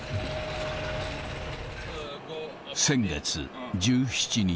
先月１７日。